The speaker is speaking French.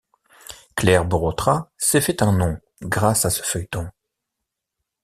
Claire Borotra s'est fait un nom grâce à ce feuilleton.